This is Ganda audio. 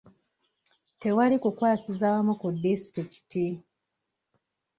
Tewali kukwasiza wamu ku disitulikiti.